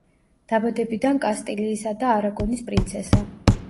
დაბადებიდან კასტილიისა და არაგონის პრინცესა.